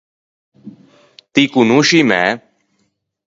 T’î conosci i mæ?